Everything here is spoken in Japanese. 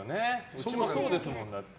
うちもそうですもん、だって。